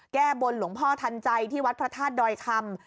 แก้บลหลงพ่อธันใจที่วัดพระธาร์ษโดยคำ